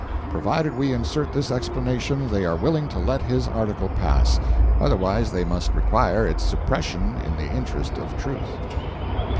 Provided we insert this explanation, they are willing to let his article pass; otherwise they must require its suppression in the interest of truth.